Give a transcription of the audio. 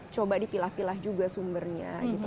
coba dipilah pilah juga sumbernya gitu